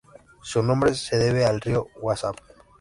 Su nombre se debe al río Wabash.